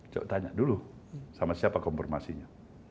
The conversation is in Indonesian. coba tanya dulu sama siapa konfirmasinya